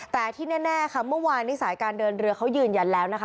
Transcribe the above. แต่ที่แน่ค่ะเมื่อวานนี้สายการเดินเรือเขายืนยันแล้วนะคะ